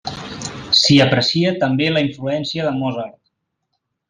S'hi aprecia també la influència de Mozart.